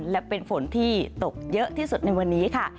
และเป็นฝนที่ตกเยอะที่สุดในวันนี้ค่ะ